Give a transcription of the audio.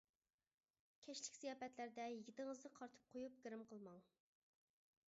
كەچلىك زىياپەتلەردە يىگىتىڭىزنى قارىتىپ قويۇپ گىرىم قىلماڭ.